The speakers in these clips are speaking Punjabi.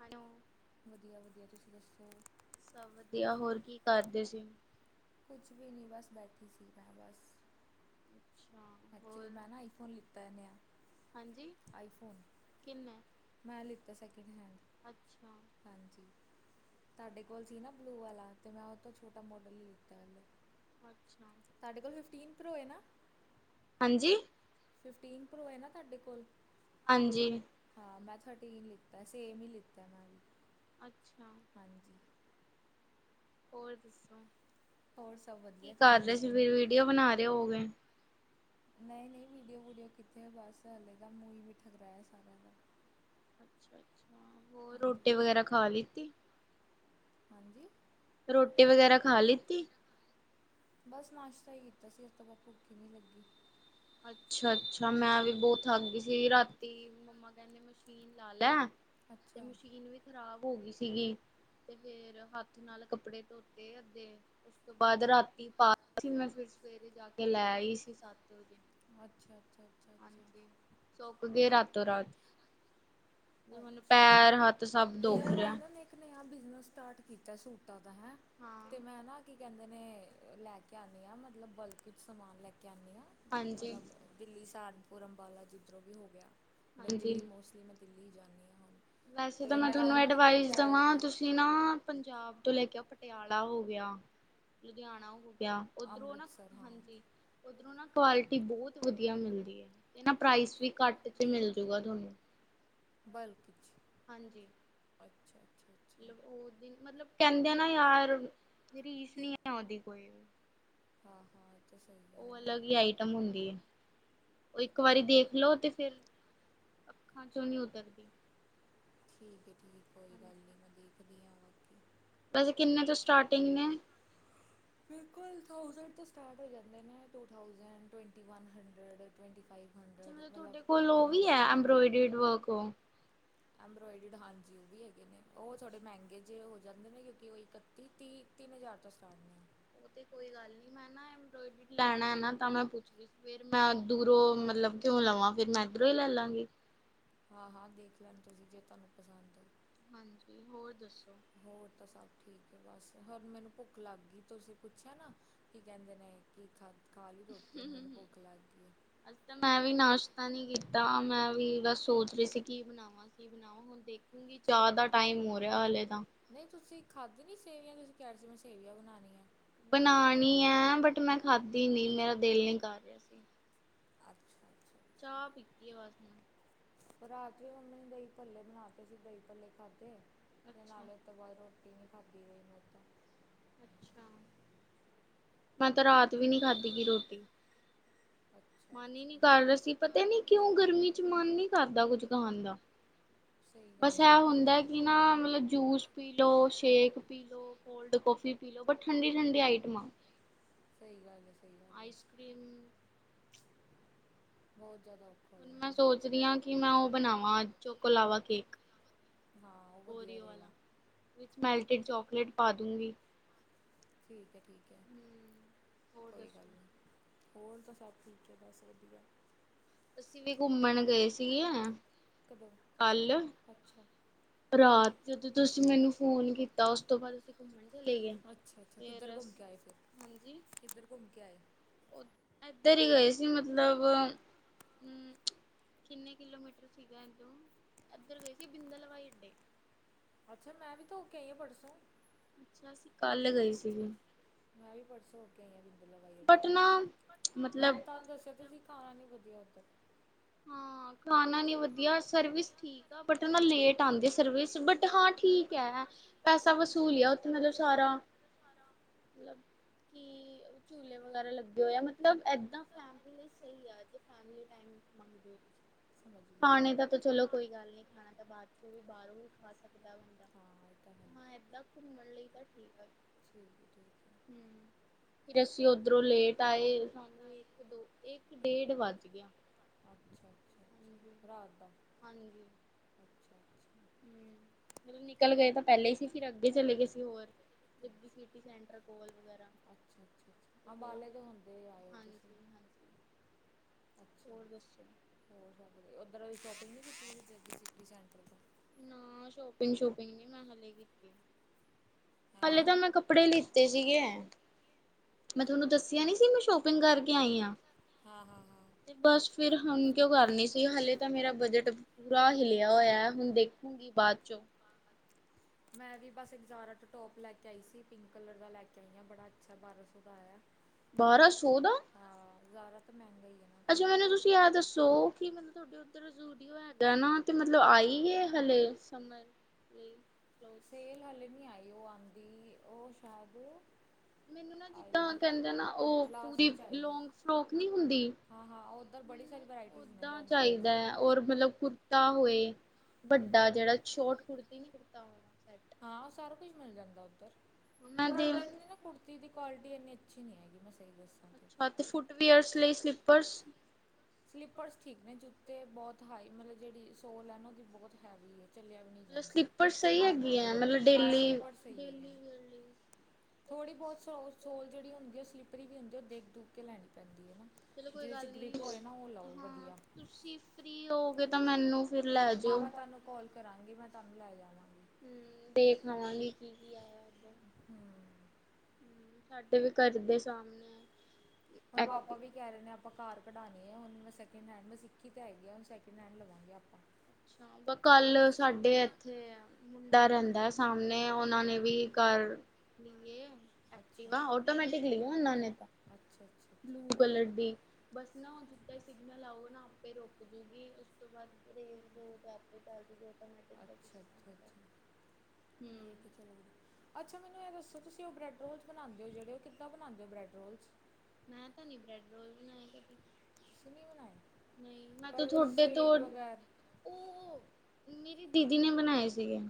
ਹੈਲੋ। ਵਧੀਆ, ਵਧੀਆ ਤੁਸੀਂ ਦੱਸੋ? ਸਭ ਵਧੀਆ ਹੋਰ ਕੀ ਕਰਦੇ ਸੀ। ਕੁਛ ਵੀ ਨਹੀਂ ਬਸ ਬੈਠੀ ਸੀ। ਮੈਂ ਬਸ। ਅੱਛਾ। ਐਕਚੁਲੀ ਹੋਰ ਮੈਂ ਨਾ ਆਈਫੋਨ ਲੀਤਾ ਨੇਆ। ਹਾਂਜੀ ਕਿੰਨੇ। ਮੈਂ ਲਿੱਤਾ ਸੈਕਿੰਡ ਹੈਂਡ। ਅੱਛਾ। ਹਾਂਜੀ। ਤੁਹਾਡੇ ਕੋਲ ਸੀ ਨਾ ਬਲੂ ਵਾਲਾ ਤੇ ਮੈਂ ਉਹ ਤੋਂ ਛੋਟਾ ਮੋਡਲ ਹੀ ਲਿੱਤਾ। ਅੱਛਾ ਸਾਡੇ ਕੋਲ ਫਿਫਟੀਨ ਪਰੋ ਏ ਨਾ। ਹਾਂਜੀ ਫਿਫਟੀਨ ਪ੍ਰੋ ਹੈ ਨਾ ਤੁਹਾਡੇ ਕੋਲ ਹਾਂਜੀ। ਹਾਂ ਮੈਂਥਹਾਟੀ ਲਿੱਤਾ ਸੇਮ ਹੀ ਲਿੱਤਾ ਮੈਮ। ਅੱਛਾ। ਹਾਂਜੀ ਹੋਰ ਦੱਸੋ ਹੋਰ ਸਭ ਕੀ ਵਧੀਆ ਤੁਸੀਂ ਕਰ ਰਹੇ ਸੀ ਦੱਸੋ ਵੀਡੀਓ ਬਣਾ ਰਹੇ ਹੋਗੇਏ ਨਈਂ ਨਈਂ ਵੀਡੀਓ ਵੂਡੀਓ ਕਿੱਥੇ ਬਸ ਹਲੇ ਤਾਂ ਮੂੰਹ ਈ ਮਿੱਠਾ ਕਰਾਇਆ ਸਾਰਿਆਂ ਦਾ। ਅੱਛਾ, ਅੱਛਾ ਹੋਰ ਹਾਂਜੀ ਰੋਟੀ ਵਗੈਰਾ ਖਾ ਲਿੱਤੀ। ਹਾਂਜੀ! ਰੋਟੀ ਵਗੈਰਾ ਖਾ ਲਿੱਤੀ। ਬਸ ਨਾਸ਼ਤਾ ਹੀ ਕੀਤਾ ਸੀ ਉਸ ਤੋਂ ਬਾਅਦ ਭੁੱਖ ਹੀ ਨਹੀਂ ਲੱਗੀ। ਅੱਛਾ-ਅੱਛਾ, ਮੈਂ ਵੀ ਬਹੁਤ ਥੱਕ ਗਈ ਸੀ। ਰਾਤੀ ਮੰਮਾ ਕਹਿੰਦੇ ਮਸ਼ੀਨ ਲਾ ਲੈ ਤੇ ਅੱਛਾ ਮਸ਼ੀਨ ਵਿੱਚ ਖ਼ਰਾਬ ਹੋ ਗਈ ਸੀਗੀ। ਤੇ ਫੇਰ ਹੱਥ ਨਾਲ ਕੱਪੜੇ ਧੋਤੇ ਤੇ ਉਸ ਤੋਂ ਬਾਅਦ ਰਾਤੀ ਪਾ ਸੀ। ਮੈਂ ਫਿਰ ਸਵੇਰੇ ਜਾ ਕੇ ਲੈ ਆਈ ਸੀ। ਸੱਤ ਵਜੇ ਅੱਛਾ-ਅੱਛਾ, ਅੱਛਾ। ਅੱਛਾ ਸੁੱਕ ਗਏ, ਰਾਤੋਂ ਰਾਤ। ਹੁਣ ਅੱਛਾ। ਪੈਰ ਹੱਥ ਸਭ ਦੁਖ ਯਾਰ ਮੈਂ ਰਿਹਾ। ਨਾ ਇੱਕ ਨੇ ਆ ਬਿਜਨਸ ਸਟਾਰਟ ਕੀਤਾ ਸੂਟਾਂ ਦਾ ਹੈ। ਹਾਂ ਤੇ ਮੈਂ ਨਾ ਕਹਿੰਦੇ ਨੇ ਲੈ ਕੇ ਆਉਂਦੀ ਹਾਂ। ਮਤਲਬ, ਬਲਕ ਵਿੱਚ ਸਮਾਨ ਲੈ ਕੇ ਆਉਂਦੀ ਹਾਂ। ਮਤਲਬ ਹਾਂਜੀ-ਹਾਂਜੀ। ਦਿੱਲੀ ਸਹਾਰਨਪੁਰ ਅੰਬਾਲਾ ਜਿੱਧਰੋਂ ਵੀ ਹੋ ਗਿਆ। ਮਤਲਬ, ਦਿੱਲੀ ਮੋਸਟਲੀ ਮੈਂ ਦਿੱਲੀ ਹੀ ਜਾਂਦੀ ਹਾਂ। ਹੁਣ ਵੈਸੇ, ਤਾਂ ਤੇ ਮੈਂ ਤੁਹਾਨੂੰ ਨਾ ਗਰੁੱਪ ਐਡਵਾਈਸ 'ਚ ਐਡ ਦੇਵਾਂ। ਕਰ ਤੁਸੀਂ ਨਾ ਪੰਜਾਬ ਤੋਂ ਲੈ ਕੇ ਆ ਪਟਿਆਲਾ ਹੋ ਗਿਆ। ਲੁਧਿਆਣਾ ਹੋ ਗਿਆ। ਓਧਰੋਂ ਨਾ ਅੰਮ੍ਰਿਤਸਰ ਹਾਂ ਹਾਂਜੀ ਉੱਧਰੋਂ ਨਾ ਕੁਆਲਿਟੀ ਬਹੁਤ ਵਧੀਆ ਮਿਲਦੀ ਹੈ। ਇਹ ਨਾ ਪ੍ਰਾਈਸ ਵੀ ਘੱਟ ਚ ਮਿਲਜੂਗਾ। ਤੁਹਾਨੂੰ ਬਲਕ ਹਾਂਜੀ। ਅੱਛਾ। ਅੱਛਾ ਅੱਛਾ ਮਤਲਬ, ਉਹਦੀ ਮਤਲਬ ਕਹਿੰਦੇ ਆਂ ਨਾ ਯਾਰ ਰੀਸ ਨੀ ਹੈ। ਉਹਦੀ ਕੋਈ ਹਾਂ, ਹਾਂ ਤੇ ਸਹੀ ਗੱਲ ਉਹ ਹੈ ਹੀ ਆਈਟਮ ਹੁੰਦੀ ਹੈ। ਉਹ ਇੱਕ ਵਾਰੀ ਦੇਖ ਲਓ ਤੇ ਫਿਰ ਅੱਖਾਂ ਚੋਂ ਨਹੀਂ ਉਤਰਰਦੀ। ਠੀਕ ਹੈ, ਠੀਕ ਹੈ। ਕੋਈ ਗੱਲ ਨਹੀਂ, ਮੈਂ ਦੇਖਦੀ ਹਾਂ। ਬਾਕੀ ਵੈਸੇ, ਕਿੰਨੇ ਤੋਂ ਸਟਾਰਟਿੰਗ ਨੇ? ਬਿਲਕੁਲ, ਥਾਊਸੈਂਡ ਤੋਂ ਸਟਾਰਟ ਹੋ ਜਾਂਦੇ ਨੇ, two thousand twenty one hundred. Twenty five ਅੱਛਾ ਹੰਡਰਡ ਮਤਲਬ, ਤੁਹਾਡੇ ਕੋਲ ਉਹ ਵਨ ਥਾਊਜੈਂਡ। [unintelligible] ਐੰਬਰੋਇਡਡ ਹਾਂਜੀ, ਉਹ ਵੀ ਹੈਗੇ ਨੇ ਉਹ ਥੋੜ੍ਹੇ ਮਹਿੰਗੇ ਜਿਹੇ ਹੋ ਜਾਂਦੇ ਨੇ। ਕਿਉਂਕਿ, ਉਹ ਇੱਕ ਤੀਹ ਤਿੰਨ ਹਜ਼ਾਰ ਤੋਂ ਸਟਾਰਟ ਨੇ। ਉਹ ਤੇ ਕੋਈ ਗੱਲ ਨੀ। ਮੈਂ [inaudible] ਲੈਣਾ ਨਾ ਤਾਂ, ਮੈਂ ਪੁੱਛ ਫੇਰ, ਮੈਂ ਦੂਰੋਂ ਮਤਲਬ, ਕਿਉਂ ਲਵਾਂ। ਫੇਰ, ਮੈਂ ਇੱਧਰੋਂ ਹੀ ਲੈ ਲਾਂਗੀ ਹਾਂ-ਹਾਂ, ਦੇਖ ਲੈਣ ਤੁਸੀਂ ਜੇ ਤੁਹਾਨੂੰ ਪਸੰਦ ਹਾਂਜੀ, ਹੋਰ ਦੱਸੋ। ਹੋਰ, ਤਾਂ ਸਭ ਠੀਕ ਹੈ। ਬਸ ਹਰ ਮੈਨੂੰ ਭੁੱਖ ਲੱਗ ਗਈ। ਤੁਸੀਂ ਪੁੱਛਿਆ ਨਾ ਕੀ ਕਹਿੰਦੇ ਨੇ, ਕਿ ਖਾ ਖਾ ਲਈ ਰੋਟੀ ਨੂੰ ਮੈਨੂੰ ਭੁੱਖ ਲੱਗ ਗਈ। ਅੱਜ ਤਾਂ ਮੈਂ ਵੀ ਨਾਸ਼ਤਾ ਨਹੀਂ ਕੀਤਾ। ਮੈਂ ਵੀ ਸੋਚ ਰਹੀ ਸੀ‌। ਕੀ ਬਣਾਵਾਂ ਕੀ ਬਣਾਵਾਂ? ਹੁਣ ਦੇਖੂਗੀ ਚਾਹ ਦਾ ਟਾਈਮ ਹੋ ਰਿਹਾ। ਹਾਲੇ ਤਾਂ ਨਹੀਂ ਤੁਸੀਂ ਖਾਧੀ ਨੀ ਸੇਵੀਆਂ, ਤੁਸੀਂ ਕਿਹਾ ਸੀ, ਮੈਂ ਸੇਵੀਆਂ ਬਣਾਣੀਆਂ। ਬਣਾਣੀ ਹੈ। ਬਟ ਮੈਂ ਖਾਧੀ ਨੀ ਮੇਰਾ ਦਿਲ ਨੀ ਕਰ ਰਿਹਾ। ਸੀ ਅੱਛਾ ਅੱਛਾ। ਚਾਹ ਪੀਤੀ ਆ। ਬਸ। ਰਾਤ ਵੀ ਮੰਮੀ ਨੇ ਦਹੀਂ ਭੱਲੇ ਬਣਾਤੇ ਸੀ। ਦਹੀਂ ਭੱਲੇ ਖਾਧੇ ਤੇ ਅੱਛਾ ਨਾਲੇ ਤੋਂ ਬਾਅਦ ਰੋਟੀ ਨਹੀਂ ਖਾਧੀ ਰਹੀ। ਮੈਥੋ। ਅੱਛਾ ਮੈਂ ਤਾਂ ਰਾਤ ਵੀ ਨਹੀਂ। ਖਾਧੀ ਗਈ ਰੋਟੀ। ਅੱਛਾ ਅੱਛਾ। ਮਨ ਹੀ ਨਹੀਂ ਕਰਦਾ ਸੀ। ਪਤਾ ਨੀ ਕਿਉਂ ਗਰਮੀ ਚ ਮਨ ਨੀ ਕਰਦਾ ਕੁੱਝ ਖਾਣ ਦਾ। ਸਹੀ ਬਸ, ਗੱਲ ਏ ਹੈ। ਹੁੰਦਾ, ਕਿ ਨਾ ਮਤਲਬ ਜੂਸ ਪੀ ਲੋ, ਸ਼ੇਕ ਪੀ ਲੋ ਕੋਲਡ -ਕੋਫੀ ਪੀ ਲੋ ਬਟ ਠੰਡੀ, ਠੰਡੀ ਆਈਟਮਾਂ ਸਹੀ ਗੱਲ ਏ- ਸਹੀ ਗੱਲ ਈਸ ਕਰ੍ਰੀਮ। ਬੋਤ ਜਾਦਾ ਹੁਣ ਮੈਂ ਸੋਚਰੀ ਆ ਕਿ ਮੈਂ ਓ ਬਣਾਵਾ, ਚੋਕੋ ਲਾਵਾ ਕੇਕ ਹਾਂ ਉਹ ਵਧੀਆ ਓਰੀਓ ਰਹੇਗਾ ਵਾਲਾ, ਵਿੱਚ ਮੈਲਟਿਡ ਚੋਕਲੇਟ ਪਾ ਦੂਗੀ। ਠੀਕ ਹੈ- ਠੀਕ ਹੈ ਹਮ, ਹੋਰ ਕੋਈ ਗੱਲ ਦੱਸੋ ਨੀ। ਹੋਰ ਤਾਂ ਸਭ ਠੀਕ ਹੈ, ਬਸ ਵਧੀਆ। ਅਸੀਂ ਵੀ ਘੁੰਮਣ ਗਏ ਸੀਗੀ ਆ ਕਦੋਂ ਕੱਲ ਅੱਛਾ ਰਾਤ ਜਦੋਂ ਤੁਸੀਂ ਮੈਨੂੰ ਫੋਨ ਕੀਤਾ, ਓਸ ਤੋਂ ਬਾਦ ਅਸੀਂ ਘੁੰਮਣ ਚਲੇ ਗਏ ਅੱਛਾ-ਅੱਛਾ ਫਿਰ ਕਿੱਧਰ ਘੁੰਮ ਕੇ ਆਏ ਫੇਰ, ਹਾਂਜੀ ਕਿੱਧਰ ਘੁੰਮ ਕੇ ਆਏ? ਏੱਧਰ ਈ ਗਏ ਸੀ ਮਤਲਬ ਹੂੰ ਕਿੰਨੇ ਕਿਲੋਮੀਟਰ ਸੀਗਾ ਇਦੋਂ ਇੱਧਰ ਗਏ ਸੀ ਬਿੰਦਲ ਹਵਾਈ ਅੱਡੇ। ਅੱਛਾ, ਮੈਂ ਵੀ ਤਾਂ ਹੋ ਕੇ ਆਈ ਆ ਪਰਸੋ। ਤੇ ਅਸੀਂ ਕੱਲ ਗਏ ਸੀਗੇ। ਮੈਂ ਵੀ ਪਰਸੋਂ ਹੋ ਕੇ ਆਈ ਆ ਬਿੰਦਲ ਹਵਾਈ ਬਟ ਨਾ ਅਡਾ, ਮੈ ਮਤਲਬ ਤੁਹਾਨੂੰ ਦੱਸਿਆ ਤਾ ਸੀਂ। ਖਾਨਾ ਨੀ ਵਧੀਆ ਓੱਧਰ। ਹਾਂ, ਖਾਣਾ ਨੀ ਵਧੀਆ, ਸਰਵਿਸ ਠੀਕ ਬਟ ਨਾ ਲੇਟ ਆੱਦੀ ਏ ਸਰਵਿਸ, ਬਟ ਹਾਂ ਠੀਕ ਹੈ। ਪੈਸਾ ਵਸੂਲ ਈ ਐ ਓੱਥੇ ਮਤਲਬ ਸਾਰਾ। ਮਲਬ ਕੀ ਝਲੇ, ਵਗੈਰਾ ਲੱਗੇ ਹੋਏ ਆ ਮਤਲਬ ਏਦਾ ਫੈਮਲੀ [inaudible] ਸਮਝ ਗਈ ਖਾਣੇ ਦਾ ਚਲੋ ਕੋਈ ਗੱਲ ਨੀ, ਖਾਣਾ ਤਾਂ ਬਾਦਚ ਬਾਹਰੋਂ ਆ ਸਕਦਾ ਬੰਦਾ, ਹਾਂ ਇਹ ਤਾਂ ਹੈ ਹਾਂ ਏਦਾਂ ਘੁੰਮਣ ਲਈ ਤਾਂ ਠੀਕ ਆ ਠੀਕ ਹੈ ਠੀਕ ਹੈ ਹੂੰ, ਫੇਰ ਅਸੀਂ ਓਧਰੋਂ ਲੇਟ ਆਏ ਸਾਨੂੰ ਇੱਕ ੋ ਇੱਕ, ਡੇਢ ਵੱਜ ਗੇਆ। ਅੱਛਾ ਅੱਛਾ ਅੱਛਾ ਰਾਤ ਦਾ ਹਾਂਜੀ। ਅੱਛਾ ਅੱਛਾ ਹੂੰ, ਮਤਲਬ ਨਿਕਲ ਗਏ ਤਾਂ ਪੈੱਲੇ ਹੀ ਸੀ, ਫੇਰ ਅੱਗੇ ਚਲੇ ਗਏ ਸੀ ਹੋਰ ਜੱਗੀ ਸੀਟੀ ਸੈਂਟਰ ਕੋਲ ਵਗੈਰਾ ਅੱਛਾ ਅੱਛਾ ਤੇ ਅੱਛਾ ਫਿਰ ਅੰਬਾਲੇ ਤੋ ਹੋੱਦੇ ਆਏ ਔ ਹਾਂਜੀ ਤੁਸੀਂ ਹਾਂਜੀ। ਅੱਛਾ ਹੋਰ ਦੱਸੋ? ਹੋਰ ਸਭ ਵਧੀਆ, ਓੱਦਰੋ ਸੋ਼ਪਿੰਗ ਨੀ ਕੀਤੀ ਜੱਗੀ ਸੀਟੀ ਸੇੰਟਰ ਤੋਂ। ਨਾ, ਸ਼ੋਪਿੰਗ-ਸੁ਼ਪਿੰਗ ਨੀ ਮੈਂ ਹਲੇ ਕੀਤੀ। ਹੈਂ ਹਾਲੇ, ਤਾਂ ਮੈਂ ਕੱਪੜੇ ਲਿੱਤੇ ਸੀਗੇ। ਮੈਂ ਤੁਹਨੂੰ ਦੱਸਿਆ ਨੀ ਸੀ, ਮੈਂ ਸ਼ੋਪਿੰਗ ਕਾਰਕੇ ਆਈ ਆ। ਹਾਂ-ਹਾਂ, ਹਾਂ। ਤੇ, ਬਸ ਫੇਰ ਹੋਣ ਕਿਓ ਕਰਨੀ ਸੀ, ਹਲੇ ਤਾਂ ਮੇਰਾ ਬਜਟ ਪੂਰਾ ਹਿਲਿਆ ਹੋਏਆ। ਹੁਣ ਦੇਖੂਗੀ ਬਾਦ ਚੋਂ। ਮੈਂ ਵੀ ਬਸ ਇੱਕ ਜ਼ਾਰਾਂ ਦਾ ਟੋਪ ਲੈ ਕੇ ਆਈ ਸੀ, ਪਿੰਕ ਕਲਰ ਦਾ ਲੈ ਕੇ ਆਈ ਆ ਬੜਾ ਅੱਛਾ, ਬਾਰਾਂ ਸੌ ਦਾ ਆਯਾ। ਬਾਰਾਂ ਸੌ ਦਾ? ਹਾਂ, ਜਾਰਾ ਤਾਂ ਮੈਂਗਾ ਈ ਏ ਨਾ। ਫਿਰ ਅੱਛਾ, ਮੈਨੂੰ ਤੁਸੀਂ ਆ ਦੱਸੋ ਕਿ ਮਤਲਬ ਤੋਅਡੇ ਓੱਧਰ ਕਿ ਜੂਡੀਓ ਹੈਗਾ ਨਾ, ਤੇ ਮਤਲਬ ਆਈ ਏ ਹਲੇੇ ਸਮਝ ਲਈ ਕੀ ਨਹੀਂ। ਸੇਲ ਹਲੇ ਨੀ ਆਈ, ਓ ਆਦੀ, ਓ ਸ਼ਅਦ ਮੈਨੂੰ ਨਾ ਜਿੱਦਾਂ ਕੈੱਦੇ ਨਾ ਓ ਪੂਰੀ ਲਾਸਟ 'ਚ ਆਏਗੀ ਲੋਂਗ ਫਰੋਕ ਨੀ ਹੁੰਦੀ। ਹਾਂ ਹਾਂ ਉੱਧਰ ਬੜੀ ਸਾਰੀ ਵਰਾਇਟੀਜ਼ ਨੇ ਓਦਾਂ ਲੌਂਗ ਕੋਟ ਚਾਈਦੈ, ਔਰ ਮਤਲਬ ਕੁ ਕੁੜਤਾ ਹੋਏ ਵੱਡਾ, ਜੇੜਾ ਸੋ਼ਟ ਕੁੜਤੀ ਨੀ ਕੁੜਤਾ ਹੋਣਾ ਸੈਟ ਹਾਂ, ਓ ਸਾਰਾ ਕੁਛ ਮਿਲ ਜਾਂਦਾ ਓੱਧਰ, ਮੈਂ ਪਰ ਦੇ ਓਦਰ ਦੀ ਨਾ ਕੁੜਤੀ ਦੀ ਕੁਆਲਿਟੀ ਇੰਨੀ ਅੱਛੀ ਨਹੀਂ ਹੈਗੀ, ਮੈਂ ਸਹੀ ਦੱਸਾਂ। ਤੇ ਅਤੇ ਫੁੱਟਵੀਅਰਸ ਲਈ ਸਲੀਪਰਸ। ਸਲੀਪਰਸ ਠੀਕ ਨੇ ਜੁੱਤੇ ਬਹੁਤ ਹਾਈ ਮਤਲਬ ਜਿਹੜੀ ਸੋਲ ਹੈ ਨਾ, ਉਹਦੀ ਬਹੁਤ ਹੈਵੀ ਹੈ। ਚੱਲਿਆ ਵੀ ਨਹੀਂ ਮਤਲਬ ਜਾਂਦਾ, ਸਲੀਪਰ ਸਹੀ ਹੈਗੀ ਹੈ ਅਨਕੰਫਰਟੇਬਲ ਮਤਲਬ ਹਾਂ ਡੇਲੀ ਸਲੀਪਰ ਸਹੀ ਹੈਗੇ ਡੇਲੀ ਨੇ। ਵੀਅਰ ਲਈ ਥੋੜ੍ਹੀ ਬਹੁਤ ਸੋ ਸੋਲ ਜਿਹੜੀ ਹੁੰਦੀ ਹੈ, ਉਹ ਸਲਿਪਰੀ ਵੀ ਹੁੰਦੀ ਉਹ ਦੇਖ ਦੁਖ ਕੇ ਲੈਣੀ ਪੈਂਦੀ ਹੈ ਨਾ। ਚਲੋ ਕੋਈ ਜਿਹਦੇ 'ਚ ਗੱਲ ਨੀ। ਗ੍ਰਿਪ ਹੋਏ ਨਾ ਉਹ ਲਓ ਵਧੀਆ। ਫ੍ਰੀ ਹੋਗੇਏ ਤਾਂ ਮੈਨੂੰ। ਫਿਰ ਲੈ ਹਾਂ ਜਾਇਓ ਮੈਂ ਤੁਹਾਨੂੰ ਕਾਲ ਕਰਾਂਗੀ, ਮੈਂ ਤੁਹਾਨੂੰ ਲੈ ਜਾਵਾਂਗੀ। ਹਮ ਦੇਖ ਲਵਾਂਗੇ ਕੀ ਕੀ ਆਇਆ ਉੱਧਰ [unintelligible] ਹਮ, ਸਾਡੇ ਵੀ ਘਰ ਦੇ ਸਾਹਮਣੇ। ਹੁਣ ਐਕਟ ਪਾਪਾ ਵੀ। ਕਹਿ ਰਹੇ ਨੇ ਆਪਾਂ ਕਾਰ ਕਢਉਣੇ ਆ ਹੁਣ ਮੈਂ ਸੈਕਿੰਡ ਹੈਡ, ਮੈਂ ਸਿੱਖੀ ਤਾਂ ਹੈਗੀ ਆ, ਹੁਣ ਸੈਕਿੰਡ ਹੈਂਡ ਲਵਾਂਗੇ ਆਪਾਂ। ਕੱਲ ਸਾਡੇ ਇੱਥੇ। ਮੁੰਡਾ ਰਹਿੰਦਾ ਸਾਹਮਣੇ ਉਹਨਾਂ ਨੇ ਵੀ ਕਰ ਲਏ। ਅੱਛਾ। ਨਾ ਓਟੋਮੈਟਿਕ ਲਈ ਹੈ, ਓਹਨਾ ਨੇ। ਅੱਛਾ ਅੱਛਾ ਬਲੂ ਅੱਛਾ ਕਲਰ ਦੀ ਬਸ ਨਾ ਜਿੱਦਾਂ ਹੀ ਸਿਗਨਲ ਆਵਊ ਨਾ ਆਪੇ ਰੁਕ ਜੂਗੀ। ਉਸ ਤੋਂ ਬਾਅਦ ਰਰੇਜ਼ ਲੋਕ ਆਪੇ ਚੱਲਦੇ ਗ ਤਾਂ ਮੈਂ [unintelligible] ਅੱਛਾ ਅੱਛਾ ਅੱਛਾ ਹੂੰ ਠੀਕ ਹੈ ਚਲੋ! ਅੱਛਾ ਮੈਨੂੰ ਇਹ ਦੱਸੋ, ਉਹ ਬ੍ਰੀਡਰੋਲ ਬਣਾਉਂਦੇ ਜਿਹੜੇ, ਉਹ ਕਿੱਦਾ ਬਣਾਉਂਦੇ ਹੋ ਬ੍ਰੀਡਰੋਲ? ਮੈਂ ਤਾਂ ਨੀ ਬ੍ਰੈਡ ਰੋਲ ਬਣਾਏ ਕਦੀ। ਤੁਸੀਂ ਨਹੀਂ ਬਣਾਏ ਨਹੀਂ, ਮੈਂ ਤੇ ਪਰ ਕੁਛ ਤੁਹਾਡੇ ਤੋਂ। ਸਟ੍ਰੀਕ ਵਗੈਰਾ ਉਹ ਮੇਰੀ ਦੀਦੀ ਨੇ ਬਣਾਏ ਸੀਗੇ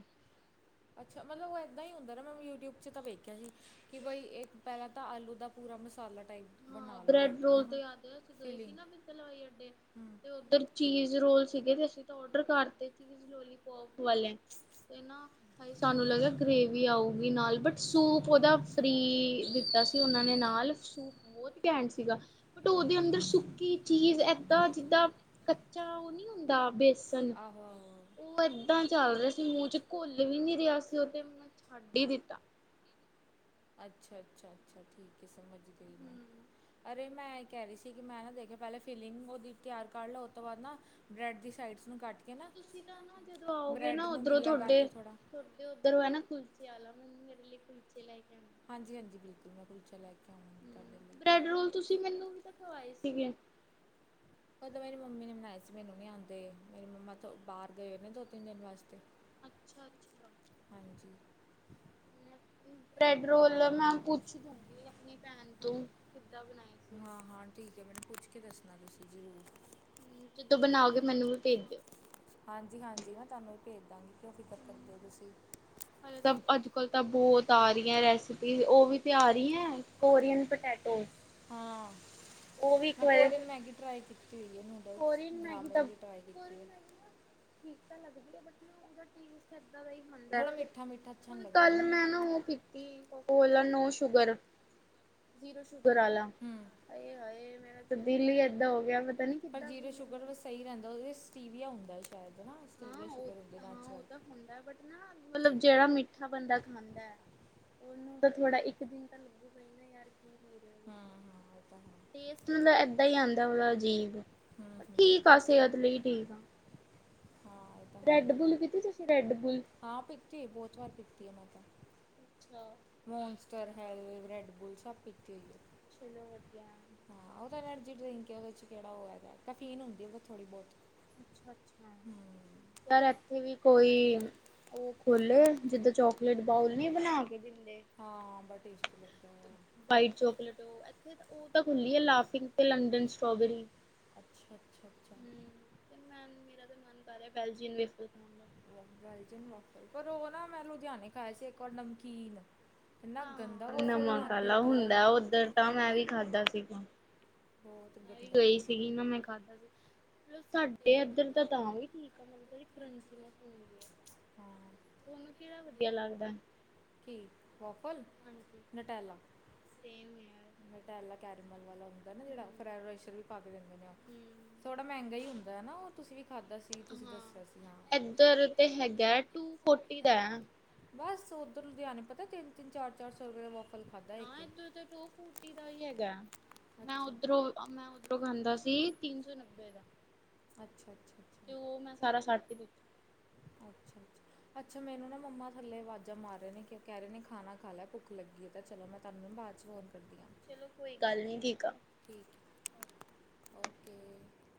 ਅੱਛਾ ਮਤਲਬ, ਉਹ ਇੱਦਾਂ ਹੀ ਹੁੰਦਾ ਨਾ, ਮੈਂ ਯੂਟਿਊਬ 'ਚ ਤਾਂ ਵੇਖਿਆ ਸੀ ਕਿ ਬਈ ਇਹ ਪਹਿਲਾਂ ਤਾਂ ਆਲੂ ਦਾ। ਪੂਰਾ ਮਸਾਲਾ ਟਾਈਪ। ਹਾਂ ਬਣਾ ਲਓ ਬ੍ਰੈਡ ਬੈਟਰ ਹੈ ਰੋਲ ਨਾ ਦੇ ਆਦ ਅਸੀਂ ਗਏ ਸੀ ਫੀਲਿੰਗ ਨਾ ਪਿੰਲਵਾਈ ਅੱਡੇ ਹੂੰ ਤੇ, ਉੱਧਰ ਚੀਜ਼ ਰੋਲ ਸੀਗੇ ਤੇ ਅਸੀਂ ਤਾਂ ਓਡਰ ਕਰਤੇ ਸੀ, ਲੋਲੀਪੋਪ ਵਾਲੇ ਤੇ। ਨਾ [unintelligible] ਹਾਏ ਸਾਨੂੰ ਲੱਗਿਆ ਗਰੇੇਵੀ ਆਊਗੀ ਨਾਲ ਬਟ ਸੂਪ ਉਹਦਾ ਫ੍ਰਰੀ ਦਿੱਤਾ ਸੀ। ਉਹਨਾ ਨੇ ਨਾਲ ਸੂਪ। ਕੈਂਟ ਸਿਗਾ। ਬਟ ਉਹਦੇ ਅੰਦਰ ਸੁੱਕੀ ਚੀਜ਼ ਏਦਾਂ ਜਿੱਦਾਂ ਕੱਚਾ ਉਹ ਨੀ ਹੁੰਦਾ। ਹੁੰਦਾ ਬੇਸਣ ਆਹੋ ਆਹੋ ਆਹੋ। ਉਹ। ਦ ਚੱਲ ਰਿਹਾ ਸੀ ਮੂੰਹ ਚ ਘੁੱਲ ਵੀ ਨੀ ਰਿਹਾ ਸੀ, ਉਹ ਤੇ ਮੈਨੂੰ ਛੱਡ ਹੀ ਦਿੱਤਾ। ਅੱਛਾ ਅੱਛਾ ਅੱਛਾ ਠੀਕ ਹੈ, ਸਮਝ ਗਈ ਹਮ ਮੈਂ। ਵੇ ਮੈਂ ਇਹ ਕਹਿ ਰਹੀ ਸੀ ਕਿ, ਮੈਂ ਨਾ ਦੇਖਿਆ ਪਹਿਲੇ ਫਿਲਿੰਗ ਉਹਦੀ ਤਿਆਰ ਕਰ ਲਓ ਉਹ ਤੋਂ ਬਾਅਦ ਨਾ। ਬਰੈਡ ਦੀ ਸਾਈਡਸ ਨੂੰ ਕੱਟ ਕੇ ਨਾ ਤੁਸੀਂ ਤਾਂ ਨਾ ਬਰੈਡ ਨੂੰ ਗਿੱਲਾ ਕਰਕੇ ਥੋੜ੍ਹਾ। ਤੁੁਰਦੇ ਉੱਧਰ ਹੋ ਹੈ ਨਾ ਕੁਲਚੇ ਵਾਲਾ ਮੈਨੂੰ ਮੇਰੇ ਲਈ ਕੁਲਚੇ ਲੈ ਕੇ ਆਉਂਦਾ। ਹਾਂਜੀ ਹਾਂਜੀ ਬਿਲਕੁਲ ਮੈਂ ਕੁਲਚਾ ਲੈ ਕੇ ਆਵਾਂਗੀ ਤੁਹਾਡੇ ਹੂੰ ਲਈ। ਬ੍ਰੈਡ ਰੋਲ ਤੁਸੀਂ ਮੈਨੂੰ ਵੀ ਤਾਂ ਖਵਾਏ ਸੀਗੇ। ਉਹ ਤਾਂ ਮੇਰੀ ਮੰਮੀ ਨੇ ਬਣਾਏ ਸੀ, ਮੈਨੂੰ ਨਹੀਂ ਆਂਦੇ ਮੇਰੀ ਮੰਮਾ ਤੋਂ ਬਾਹਰ ਗਏ ਨੇ ਦੋ ਤਿੰਨ ਦਿਨ ਵਾਸਤੇ। ਅੱਛਾ- ਅੱਛਾ ਹਾਂਜੀ। ਬ੍ਰੈਡ ਰੋਲ ਮੈਂ ਪੁੱਛ ਦੂਗੀ ਆਪਣੀ ਭੈਣ ਤੋਂ। ਕਿੱਦਾਂ ਬਣਾਏ ਸੀ। ਹਾਂ-ਹਾਂ ਠੀਕ ਐ, ਮੈਨੂੰ ਪੁੱਛ ਕੇ ਦੱਸਣਾ ਤੁਸੀਂ ਜ਼ਰੂਰ। ਜਦੋਂ ਬਣਾਓ ਗੇ, ਮੈਨੂੰ ਵੀ ਭੇਜ ਦਿਓ। ਹਾਂਜੀ- ਹਾਂਜੀ, ਮੈਂ ਤੁਹਾਨੂੰ ਵੀ ਭੇਜ ਦਾਂਗੀ ਕਿਉਂ ਫਿਕਰ ਕਰਦੇ ਹੋ ਤੁਸੀਂ। ਹੁਣ ਤਾਂ ਅੱਜ ਕੱਲ ਤਾਂ ਬੋਹਤ ਆ ਰੀ ਏ ਰੈਸਪੀਸ ਉਹ ਵੀ ਤੇ ਆ ਰੀ ਏ ਕੋਰੀਅਨ ਪੋਟੈਟੋ ਹਾਂ ਮੈਂ ਕੋਰੀਅਨ ਮੈਗੀ ਟਰਾਈ ਕੀਤੀ ਹੋਈ ਏ ਨੂਡਲਸ ਕੋਰੀਅਨ ਗ੍ਰਾਮਿਨ ਵੀ ਟਰਾਈ ਕੀਤੀ ਹੈ [unintelligible] ਹਦਾ ਥੋੜਾ ਮਿੱਠਾ ਮਿੱਠਾ ਅੱਛਾ ਨਹੀਂ ਹੁਣ ਲੱਗਦਾ ਕੱਲ ਮੈਂ ਨਾ ਉਹ ਪੀਤੀ Coca Cola no sugar zero sugar ਆਲਾ ਹੂੰ ਆਏ ਹਾਏ ਮੇਰਾ ਦੀਲ ਈ ਏਦਾਂ ਹੋ ਗਿਆ ਪਤਾ ਨੀ ਪਰ ਕਿੱਦਾਂ ਪੀ ਜੀਰੋ ਲੈਂਦਾ ਸ਼ੂਗਰ ਵ ਸਹੀ ਰਹਿੰਦਾ ਉਹ ਸਟੀਵੀਆ ਹੁੰਦਾ ਸ਼ਾਇਦ ਹੈ ਨਾ ਸਟੀਵੀਆ ਹਾਂ ਉਹ ਸ਼ੂਗਰ ਹੁੰਦੇ ਹਾਂ ਨੈਚਰਲ ਉਹ ਤਾਂ ਹੁੰਦਾ ਬਟ ਨਾ ਮਤਲਬ ਜਿਹੜਾ ਮਿੱਠਾ ਬੰਦਾ ਖਾਂਦਾ ਉਹਨੂੰ ਤਾਂ ਥੋੜਾ ਇੱਕ ਦਿਨ ਤਾਂ ਲੱਗੂਗਾ ਹੀ ਨਾ ਯਾਰ ਕੀ ਪੀ ਰਿਹਾ ਹਾਂ ਹਾਂ ਇਹ ਤਾਂ ਹੈ ਮਤਲਬ ਏਦਾਂ ਹੀ ਆਦਾ ਉਹ ਅਜੀਬ ਹੂੰ ਹੂੰ ਠੀਕ ਆ ਸਿਹਤ ਲਈ ਠੀਕ ਆ ਹਾਂ ਤਾਂ ਹੈ ਰੈੱਡ ਬੁਲ ਪੀਤੀ ਤੁਸੀਂ ਰੈੱਡ ਬੁਲ ਹਾਂ ਪਿਤੀ ਬੋਹਤ ਵਾਰ ਪਿਤੀ ਏ ਮੈਂ ਤਾਂ ਅੱਛਾ ਮੌਨਸਟਰ ਹੈਲਵੇ ਬ੍ਰੈੱਡ ਬੁੱਲ ਸੱਭ ਪੀਤੇ ਹੋਈ ਏ ਚਲੋ ਵਧੀਆ ਹਾਂ ਉਹ ਤਾਂ ਐਨਰਜੀ ਡਰਿੰਕ ਆ ਉਹਦੇ ਚ' ਕਿਹੜਾ ਉਹ ਵੇ ਤਾਂ ਕਫੀਨ ਹੁੰਦੀ ਉਹ ਤਾਂ ਥੋੜੀ ਬਹੁਤ ਹੂੰ ਯਾਰ ਇੱਥੇ ਵੀ ਕੋਈ ਉਹ ਖੋਲੇ ਜਿੱਦਾਂ ਚੋਕਲੇਟ ਬਾਊਲ ਨੀ ਬਣਾ ਕੇ ਦਿੰਦੇ ਹਾਂ ਬੜਾ ਟੇਸਟੀ [inaudible] ਵਾਇਟ ਚੋਕਲੇਟ ਇੱਥੇ ਉਹ ਤਾਂ ਖੁੱਲੀ ਲਾਫਿੰਗ ਤੇ ਲੰਡਨ ਸਟ੍ਰਬੇਰੀ ਅੱਛਾ ਅੱਛਾ ਅੱਛਾ [unintelligible] ਵਫਾ ਉਹ ਨਾ ਮੈਂ ਲੁਧਿਆਣੇ ਖਾਇਆ ਸੀ ਇੱਕ ਵਾਰ ਪਰ ਨਮਕੀਨ ਇੰਨਾ ਗੰਦਾ ਹਾਂ ਵਫਾ ਬਣਾ ਨਮਕ ਕੇ ਆਲਾ ਦਿੱਤਾ ਨਾ ਉਹਨਾਂ ਹੁੰਦਾ ਉੱਧਰ ਨੇ ਤਾਂ ਮੈਂ ਵੀ ਖਾਧਾ ਸੀਗਾ। ਹੋਰ ਮੈਂ ਵੀ ਗਈ ਸੀਗੀ ਨਾ ਮੈਂ ਖਾਧਾ, ਸਾਡੇ ਇੱਧਰ ਦਾ ਤਾਂ ਵੀ ਠੀਕ ਆ ਮੈਨੂੰ ਬੜੀ ਕਰੰਚੀ ਹੁੰਦੀ ਹਾਂ ਤੁਹਾਨੂੰ ਕਿਹੜਾ ਵਧੀਆ ਲੱਗਦਾ ਕੀ ਵੋਫਲ ਹਾਂਜੀ। ਨਟੈਲਾ ਸੇਮ ਯਾਰ। ਨਟੈਲਾ ਕੈਰੀਮਲ ਵਾਲਾ ਹੁੰਦਾ ਨਾ ਜਿਹੜਾ ਹੂੰ। ਫਆਰੈਸ਼ਰ ਵੀ ਪਾ ਕੇ ਦਿੰਦੇ ਨੇ ਥੋੜਾ ਹੂੰ ਮਹਿੰਗਾ ਹੀ ਹੁੰਦਾ ਆ ਨਾ ਉਹ ਤੁਸੀਂ ਵੀ ਖਾਧਾ ਸੀ ਤੁਸੀਂ ਹਾਂ ਦੱਸਿਆ ਸੀ ਹਾਂ ਏਧਰ ਤੇ ਹੈਗਾ ਟੂ ਫੋਰਟੀ ਦਾ ਬਸ ਉਧਰ ਲੁਧਿਆਣੇ ਪਤਾ ਤਿੰਨ ਤਿੰਨ ਚਾਰ ਚਾਰ ਸੌ ਰੁਪਏ ਦਾ ਵਫਲ ਖਾਧਾ ਹਾਂ ਇੱਕ ਏਧਰ ਟੂ ਫੋਟੀ ਦਾ ਹੀ ਹੈਗਾ ਅੱਛਾ ਮੈਂ ਅੱਛਾ ਉੱਧਰੋਂ ਮੈਂ ਉੱਧਰੋਂ ਖਾਂਦਾ ਸੀ ਤਿੰਨ ਸੌ ਨੱਬੇ ਦਾ ਅੱਛਾ ਅੱਛਾ ਤੇ ਉਹ ਮੈਂ ਸਾਰਾ ਸੱਟ ਹੀ ਦਿੱਤਾ ਅੱਛਾ ਅੱਛਾ ਅੱਛਾ ਮੈਨੂੰ ਨਾ ਮੰਮਾ ਥੱਲੇ ਆਵਾਜ਼ਾਂ ਮਾਰ ਰਹੇ ਨੇ ਕਹਿ ਰਹੇ ਨੇ ਖਾਣਾ ਖਾ ਲੈ ਭੁੱਖ ਲੱਗੀ ਹੈ ਤਾਂ ਚਲੋ ਮੈਂ ਤਾਨੂੰ ਮੈ ਬਾਅਦ 'ਚ ਫੋਨ ਕਰਦੀਆਂ ਚਲੋ ਕੋਈ ਗੱਲ ਨੀਂ ਠੀਕ ਆ ਠੀਕ ਹੈ ਓਕੇ